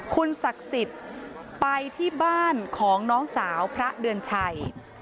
คุณศักดิ์สิทธิ์ไปที่บ้านของน้องสาวพระเดือนชัย